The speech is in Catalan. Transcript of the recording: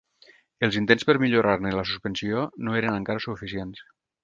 Els intents per millorar-ne la suspensió no eren encara suficients.